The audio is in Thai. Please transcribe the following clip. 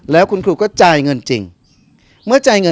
แล้วคุณครูก็จ่ายเงินจริง